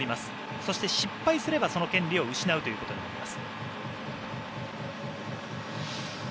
そして、失敗すればその権利を失うということです。